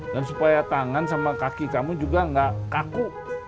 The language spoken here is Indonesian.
dan supaya tangan sama kaki kamu juga nggak kaku